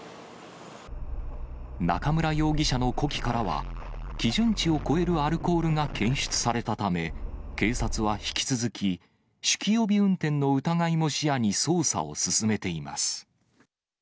中村容疑者の呼気からは、基準値を超えるアルコールが検出されたため、警察は引き続き、酒気帯び運転の疑いも視野に捜査を進めています。